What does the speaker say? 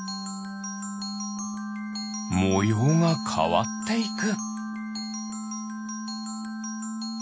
もようがかわっていく。